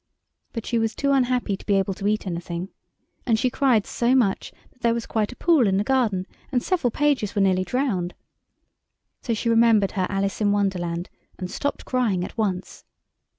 But she was too unhappy to be able to eat anything. And she cried so much that there was quite a pool in the garden, and several pages were nearly drowned. So she remembered her "Alice in Wonderland," and stopped crying at once.